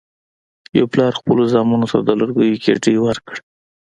یو پلار خپلو زامنو ته د لرګیو ګېډۍ ورکړه.